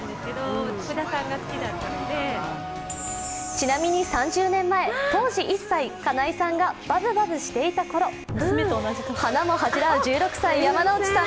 ちなみに３０年前、当時１歳、金井さんがバブバブしていたころ花も恥じらう１６歳、山内さん